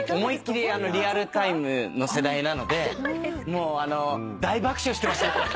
リアルタイムの世代なのでもう大爆笑してました。